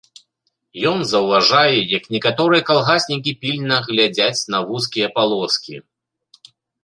Ён заўважае, як некаторыя калгаснікі пільна глядзяць на вузкія палоскі.